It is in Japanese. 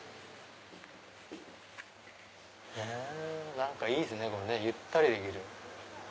何かいいですねゆったりできる。